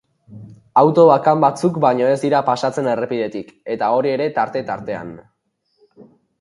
Auto bakan batzuk baino ez dira pasatzen errepidetik, eta hori ere tartean-tartean.